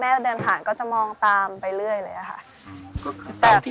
ชื่องนี้ชื่องนี้ชื่องนี้ชื่องนี้ชื่องนี้